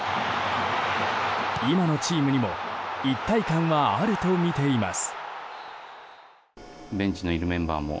今のチームにも一体感はあるとみています。